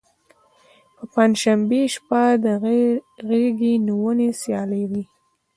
په پنجشنبې شپه د غیږ نیونې سیالۍ وي.